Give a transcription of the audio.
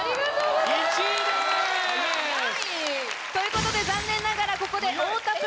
１位です！ということで残念ながらここで。